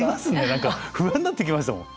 何か不安になってきました。